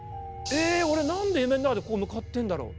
「えっ俺なんで夢の中でここ向かってるんだろう？」。